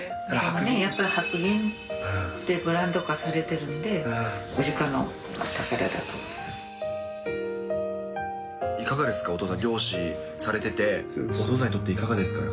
やっぱり白銀ってブランド化いかがですか、お父さん、漁師されてて、お父さんにとっていかがですか。